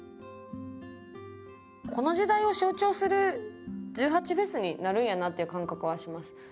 この時代を象徴する１８祭になるんやなっていう感覚はします。